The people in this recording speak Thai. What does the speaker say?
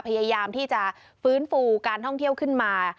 พยายามที่จะฟื้นฟูการท่องเที่ยวขึ้นมา